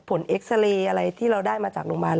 เอ็กซาเรย์อะไรที่เราได้มาจากโรงพยาบาล